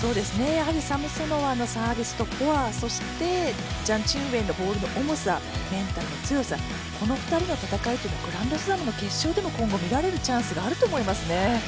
サムソノワのサービスとフォアそしてジャン・チンウェンのボールの重さメンタルの強さ、この２人の戦いはグランドスラムの決勝でも今後見られるチャンスがあると思いますね。